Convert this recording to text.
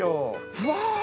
うわ！